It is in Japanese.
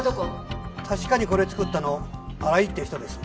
確かにこれをつくったの荒井っていう人です。